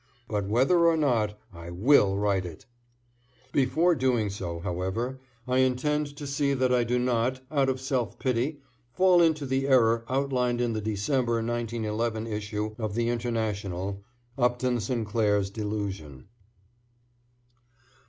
But whether or not I =will= write it. Before doing so, however, I intend to see that I do not, out of self pity, fall into the error outlined in the December, 1911 issue of The International "Upton Sinclair's Delusion."